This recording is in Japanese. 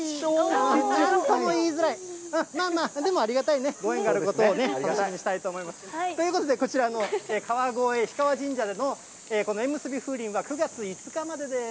なんとも言いづらい、まあまあ、でもありがたいご縁があることを。ということで、こちらの川越氷川神社での縁むすび風鈴は９月５日までです。